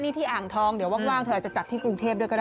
นี่ที่อ่างทองเดี๋ยวว่างเธออาจจะจัดที่กรุงเทพด้วยก็ได้